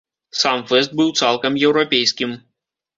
Сам фэст быў цалкам еўрапейскім.